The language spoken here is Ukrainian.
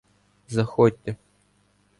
Заходьте.